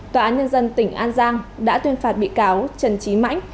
tòa án nhân dân tỉnh an giang đã tuyên phạt bị cáo trần trí mãnh